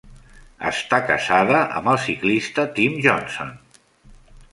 Està casada amb el ciclista Tim Johnson.